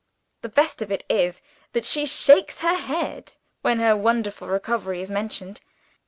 The best of it is that she shakes her head, when her wonderful recovery is mentioned.